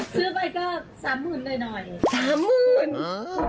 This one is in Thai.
ซื้อไปก็๓๐๐๐๐หน่อย